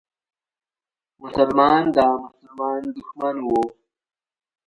مسلمان د مسلمان دښمن و.